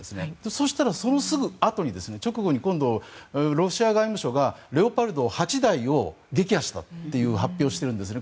そしたらそのすぐ直後にロシア外務省がレオパルト８台を撃破したという発表をしているんですね。